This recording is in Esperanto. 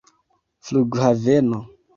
flughaveno